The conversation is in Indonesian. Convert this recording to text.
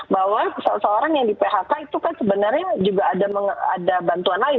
bahwa seseorang yang di phk itu kan sebenarnya juga ada bantuan lain